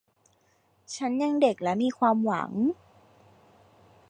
ฉันยังเด็กและมีความหวัง